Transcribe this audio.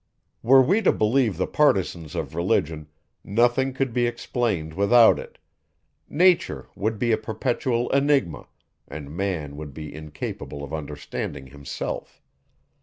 Were we to believe the partisans of Religion, nothing could be explained without it; nature would be a perpetual enigma, and man would be incapable of understanding himself.